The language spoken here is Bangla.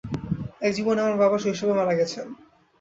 এক জীবনে আমার বাবা শৈশবে মারা গেছেন।